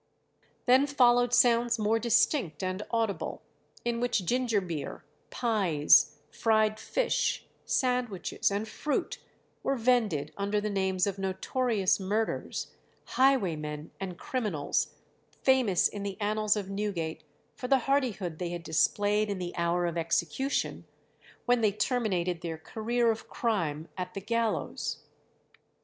Then followed sounds more distinct and audible, in which ginger beer, pies, fried fish, sandwiches, and fruit were vended under the names of notorious murderers, highwaymen, and criminals, famous in the annals of Newgate for the hardihood they had displayed in the hour of execution, when they terminated their career of crime at the gallows.